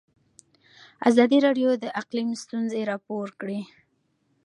ازادي راډیو د اقلیم ستونزې راپور کړي.